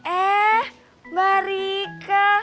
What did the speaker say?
eh mbak rika